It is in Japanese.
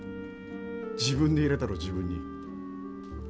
自分で入れたろ自分に。